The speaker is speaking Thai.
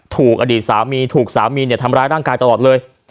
ถูกอดีตสามีถูกสามีทำร้ายร่างกายตลอดเลย